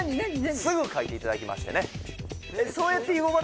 すぐ書いていただきましてね